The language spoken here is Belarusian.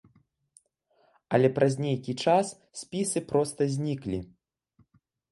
Але праз нейкі час спісы проста зніклі.